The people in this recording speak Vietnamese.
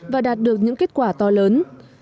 và đạt được những kết quả to lớn